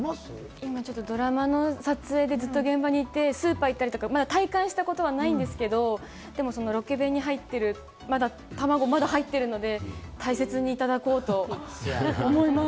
今ドラマの撮影で、ずっと現場にいて、スーパー行ったりとか体感はしたことないんですけど、ロケ弁に入っている、まだ、たまごが入っているので、大切にいただこうと思います。